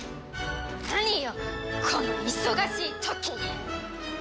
何よこの忙しい時に！